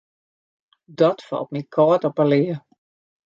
Dat falt my kâld op 'e lea.